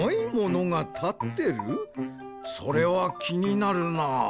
それはきになるな。